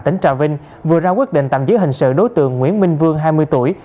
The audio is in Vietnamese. tỉnh trà vinh vừa ra quyết định tạm giữ hình sự đối tượng nguyễn minh vương hai mươi tuổi